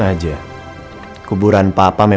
saya harus selalu melahirkan